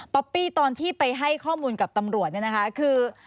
ปี้ตอนที่ไปให้ข้อมูลกับตำรวจเนี่ยนะคะคือ